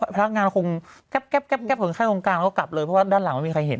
พนักงานคงแก๊บคนข้างโครงการแล้วก็กลับเลยเพราะว่าด้านหลังไม่มีใครเห็น